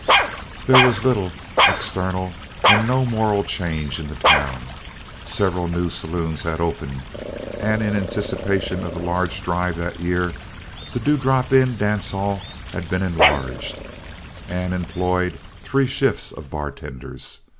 There was little external and no moral change in the town. Several new saloons had opened, and in anticipation of the large drive that year, the Dew Drop In dance hall had been enlarged, and employed three shifts of bartenders.